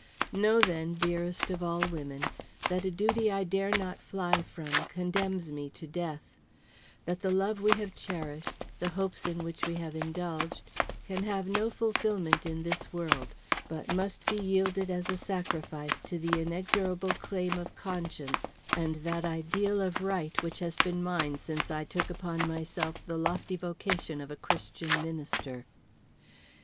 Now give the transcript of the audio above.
Know then, dearest of all women, that a duty I dare not fly from condemns me to death; that the love we have cherished, the hopes in which we have indulged, can have no fulfilment in this world, but must be yielded as a sacrifice to the inexorable claim of conscience and that ideal of right which has been mine since I took upon myself the lofty vocation of a Christian minister.